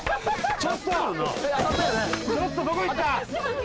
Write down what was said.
ちょっとどこ行った？